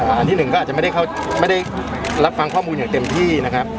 อันที่๑ก็อาจจะไม่ได้รับฟังข้อมูลอย่างเต็มที่